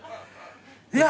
いや。